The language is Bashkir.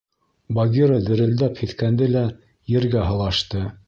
Багира дерелдәп һиҫкәнде лә ергә һылашты.